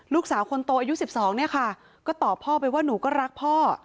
ลูกสาวคนโตอายุ๑๒เนี่ยค่ะก็ตอบพ่อไปว่าหนูก็รักพ่อ